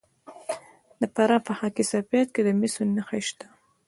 د فراه په خاک سفید کې د مسو نښې شته.